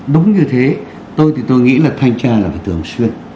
đúng như thế tôi thì tôi nghĩ là thanh tra là phải thường xuyên